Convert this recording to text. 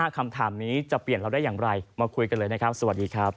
คำถามนี้จะเปลี่ยนเราได้อย่างไรมาคุยกันเลยนะครับสวัสดีครับ